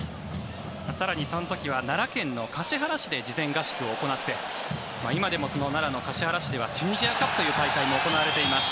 更にその時は奈良県橿原市で事前合宿を行って今でも奈良の橿原市ではチュニジアカップという大会も行われています。